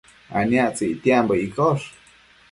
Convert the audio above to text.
aniactsëc ictiambo iccosh